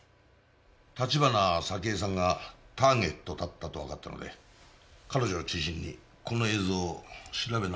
橘沙希江さんがターゲットだったとわかったので彼女を中心にこの映像を調べ直した。